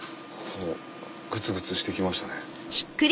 グツグツして来ましたね。